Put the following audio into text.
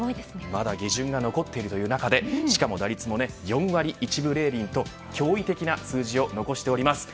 まだ下旬が残っているという中で打率も４割１分０厘と驚異的な数字を残しております。